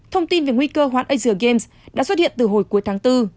thông tin về nguy cơ hoãn asia games đã xuất hiện từ hồi cuối tháng bốn